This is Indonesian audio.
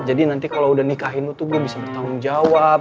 jadi nanti kalau udah nikahin lo tuh gue bisa bertanggung jawab